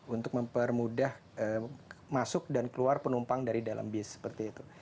untuk mempermudah masuk dan keluar penumpang dari dalam bis seperti itu